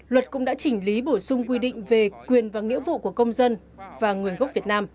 luật cũng đã chỉnh lý bổ sung quy định về quyền và nghĩa vụ của công dân và người gốc việt nam